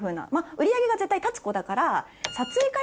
売り上げが絶対立つ子だから。